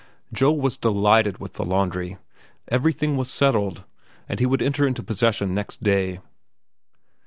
Joe was delighted with the laundry. Everything was settled, and he would enter into possession next day.